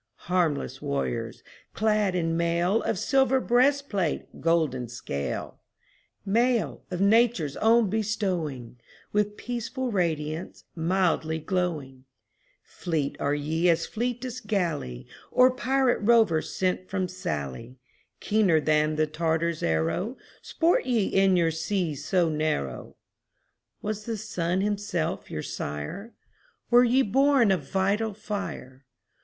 Harmless warriors, clad in mail Of silver breastplate, golden scale; Mail of Nature's own bestowing, With peaceful radiance, mildly glowing Fleet are ye as fleetest galley Or pirate rover sent from Sallee; Keener than the Tartar's arrow, Sport ye in your sea so narrow. Was the sun himself your sire? Were ye born of vital fire?